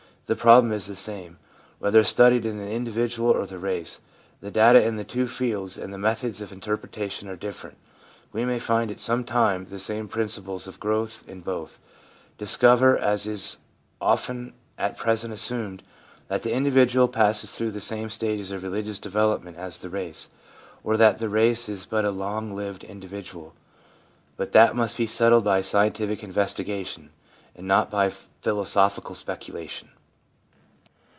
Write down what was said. The problem is the same, whether studied in the individual or the race ; the data in the two fields and the methods of interpretation are different. We may find at some time the same principles of growth in both — discover, as is often at present assumed, that the individual passes through the same stages of religious development as the race, or that the race is but a long lived individual ; but that must be settled by scientific investigation, and not by philosophical speculation.